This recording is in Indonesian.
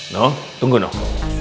nung tunggu nung